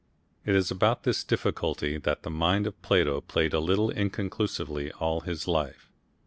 It was about this difficulty that the mind of Plato played a little inconclusively all his life.